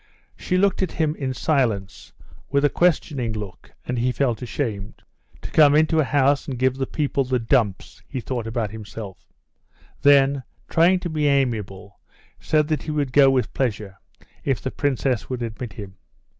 She looked at him in silence, with a questioning look, and he felt ashamed. "To come into a house and give the people the dumps," he thought about himself; then, trying to be amiable, said that he would go with pleasure if the princess would admit him.